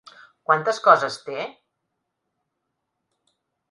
Quantes coses té?